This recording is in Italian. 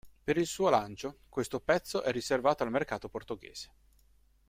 Per il suo lancio, questo pezzo è riservato al mercato portoghese.